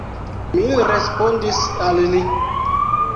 Mi respondis al li.